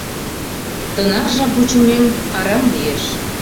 Тынар жап вучымем арам лиеш.